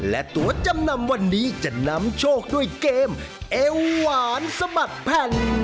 และตัวจำนำวันนี้จะนำโชคด้วยเกมเอวหวานสะบัดแผ่น